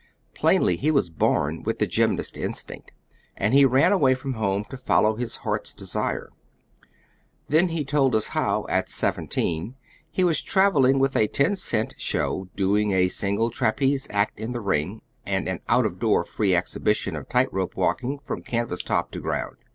Plainly he was born with the gymnast instinct, and he ran away from home to follow his heart's desire. Then he told us how at seventeen he was traveling with a ten cent show, doing a single trapeze act in the ring and an out of door free exhibition of tight rope walking from canvas top to ground.